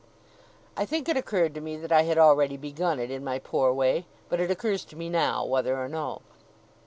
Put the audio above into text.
I think it occurred to me that I had already begun it, in my poor way: but it occurs to me now, whether or no.